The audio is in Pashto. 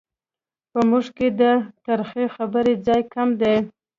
په موږ کې د ترخې خبرې ځای کم دی.